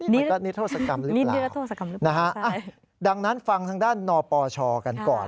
นี่ก็นิทธศกรรมหรือเปล่านะฮะดังนั้นฟังทางด้านนปชกันก่อน